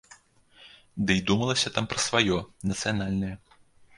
Дый думалася там пра сваё, нацыянальнае.